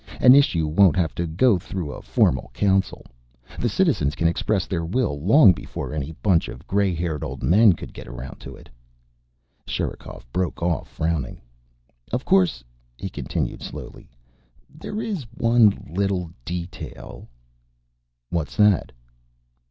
An issue won't have to go through a formal Council. The citizens can express their will long before any bunch of gray haired old men could get around to it." Sherikov broke off, frowning. "Of course," he continued slowly, "there's one little detail...." "What's that?"